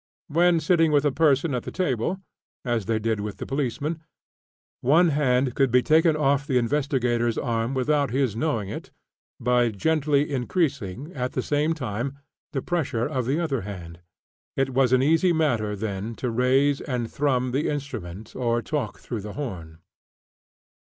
When sitting with a person at the table, as they did with the policeman, one hand could be taken off the investigator's arm without his knowing it, by gently increasing, at the same time, the pressure of the other hand. It was an easy matter then to raise and thrum the instrument or talk through the horn.